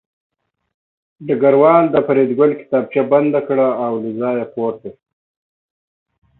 ډګروال د فریدګل کتابچه بنده کړه او له ځایه پورته شو